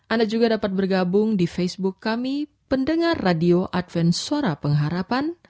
anda juga dapat bergabung di facebook kami pendengar radio advent suara pengharapan